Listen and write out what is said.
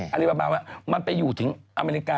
อารีบาบามันไปอยู่ถึงอเมริกา